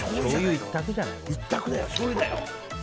一択だよ。